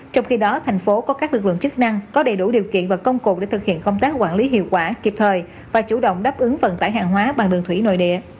trong khi đó thành phố có các lực lượng chức năng có đầy đủ điều kiện và công cụ để thực hiện công tác quản lý hiệu quả kịp thời và chủ động đáp ứng vận tải hàng hóa bằng đường thủy nội địa